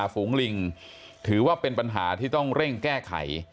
ฝูงลิงถือว่าเป็นปัญหาที่ต้องเร่งแก้ไข